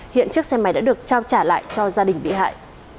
hiện chiếc xe máy đã được trao trả lại cho gia đình bị hại